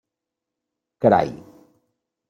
Carai!